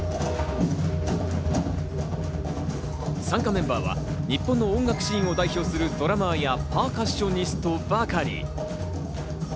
参加メンバーは日本の音楽シーンを代表するドラマーやパーカッショニストばかり。